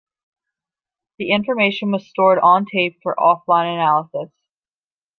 The information was stored on tape for off-line analysis.